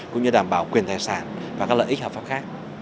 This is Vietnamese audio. cũng như đảm bảo quyền tài sản và các lợi ích hợp pháp khác